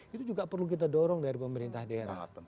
itu juga perlu kita dorong dari pemerintah daerah